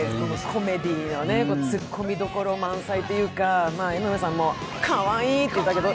コメディーのツッコミどころ満載というか江上さんもかわいいって言ってたけど。